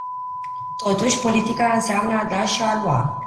Totuși, politica înseamnă a da și a lua.